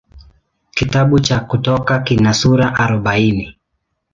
Kitabu cha Kutoka kina sura arobaini.